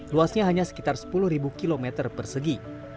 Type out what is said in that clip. luasnya hanya sekitar sepuluh km persegi